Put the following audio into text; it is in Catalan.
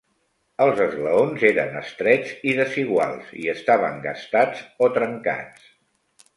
Els esglaons eren estrets i desiguals i estaven gastats o trencats.